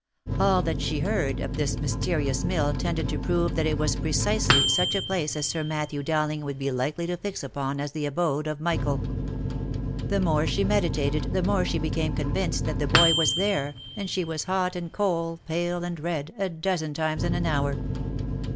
All that she heard of this mysterious mill tended to prove that it was precisely such a place as Sir Matthew Dowling would be likely to fix upon as the abode of Michael. The more she meditated the more she became convinced that the boy was there, and she was hot and cold, pale and red, a dozen times in an hour.